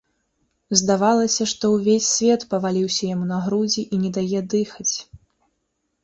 Здавалася, што ўвесь свет паваліўся яму на грудзі і не дае дыхаць.